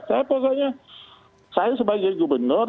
saya pokoknya saya sebagai gubernur